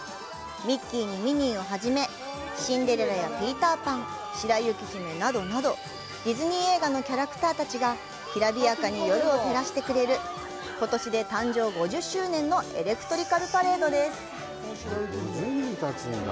ミッキーにミニーを初め、シンデレラやピーターパン、白雪姫などなど、ディズニー映画のキャラクターたちがきらびやかに夜を照らしてくれる、ことしで誕生５０周年のエレクトリカル・パレードです。